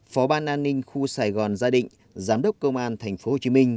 phó ban an ninh khu sài gòn gia định giám đốc công an tp hcm